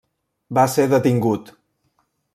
Va ser detingut.